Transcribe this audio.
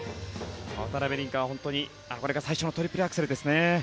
渡辺倫果は本当にこれが最初のトリプルアクセルですね。